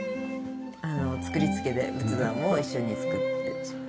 作り付けで仏壇も一緒に作って。